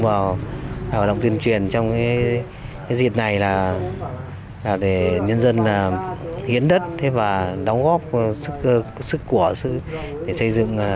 vào hoạt động tuyên truyền trong cái dịp này là để nhân dân hiến đất và đóng góp sức của để xây dựng